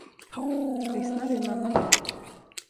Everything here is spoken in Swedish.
Lyssnar du, mamma?